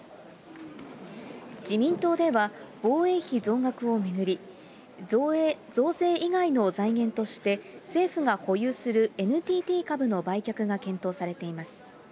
自民党では、防衛費増額を巡り、増税以外の財源として、政府が保有するＮＴＴ株の売却が検討されています。